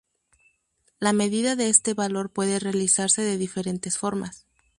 La medida de este valor puede realizarse de diferentes formas.